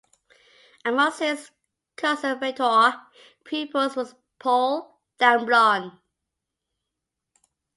Amongst his Conservatoire pupils was Paul Danblon.